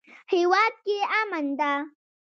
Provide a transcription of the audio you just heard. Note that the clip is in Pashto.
هیواد کې امن ده